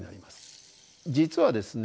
実はですね